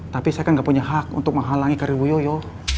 tapi saya kan gak punya hak untuk menghalangi karir ibu yoyo